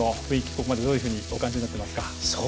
ここまでどういうふうにお感じになっていますか？